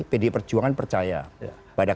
pd perjuangan percaya pada